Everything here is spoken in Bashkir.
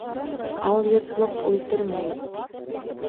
Алйотлоҡ үлтермәй.